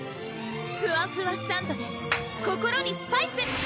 ふわふわサンドｄｅ心にスパイス！